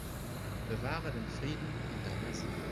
Bewahre den Frieden in deiner Seele.